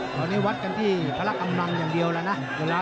วันนี้วัดกันที่พระรักษ์อำนวงอย่างเดียวแล้วนะ